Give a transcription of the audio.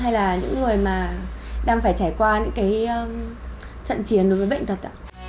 hay là những người mà đang phải trải qua những cái trận chiến đối với bệnh thật